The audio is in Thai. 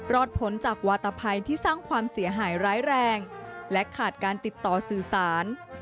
ผลจากวาตภัยที่สร้างความเสียหายร้ายแรงและขาดการติดต่อสื่อสาร